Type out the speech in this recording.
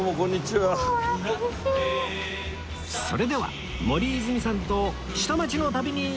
それでは森泉さんと下町の旅に出発！